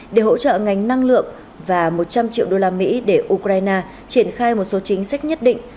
để hỗ trợ ngành năng lượng và một trăm linh triệu đô la mỹ để ukraine triển khai một số chính sách nhất định